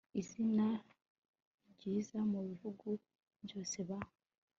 izina ryiza mu bihugu byose ba